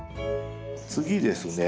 次ですね